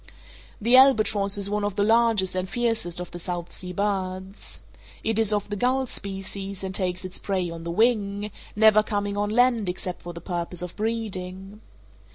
The albatross is one of the largest and fiercest of the South Sea birds. It is of the gull species, and takes its prey on the wing, never coming on land except for the purpose of breeding.